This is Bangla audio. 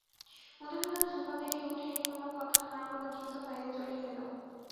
মধুসূদন সোফা থেকে উঠে কোনো কথা না বলে দ্রুত বাইরে চলে গেল।